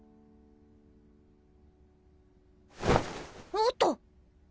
おっと！